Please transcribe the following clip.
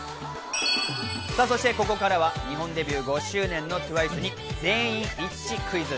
そしてここからは日本デビュー５周年のＴＷＩＣＥに全員一致クイズ。